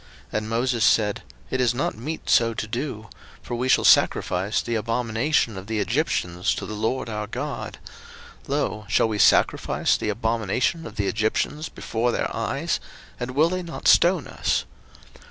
02:008:026 And Moses said, It is not meet so to do; for we shall sacrifice the abomination of the Egyptians to the LORD our God: lo, shall we sacrifice the abomination of the Egyptians before their eyes, and will they not stone us?